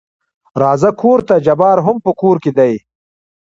راځه کورته جبار هم په کور کې دى.